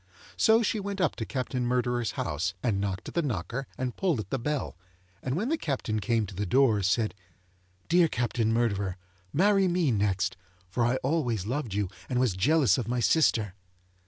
So, she went up to Captain Murderer's house, and knocked at the knocker and pulled at the bell, and when the Captain came to the door, said: 'Dear Captain Murderer, marry me next, for I always loved you and was jealous of my sister.